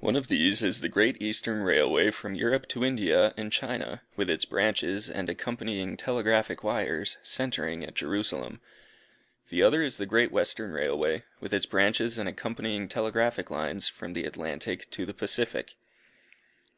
One of these is the Great Eastern Railway from Europe to India and China, with its branches, and accompanying telegraphic wires, centering at Jerusalem. The other is the Great Western Railway, with its branches and accompanying telegraphic lines, from the Atlantic to the Pacific.